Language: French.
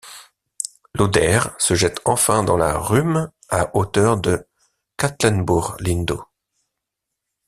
L'oder se jette enfin dans la Rhume à hauteur de Katlenburg-Lindau.